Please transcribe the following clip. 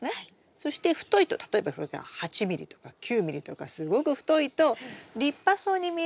そして太いと例えばこれが８ｍｍとか９ｍｍとかすごく太いと立派そうに見えるんですが